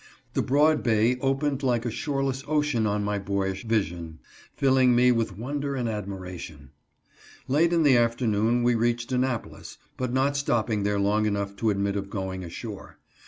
The broad bay opened like a shoreless ocean on my boyish vision, filling me with wonder and admiration. Late in the afternoon we reached Annapolis, but not stopping there long enough to admit of going ashore.